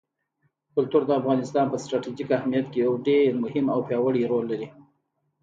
کلتور د افغانستان په ستراتیژیک اهمیت کې یو ډېر مهم او پیاوړی رول لري.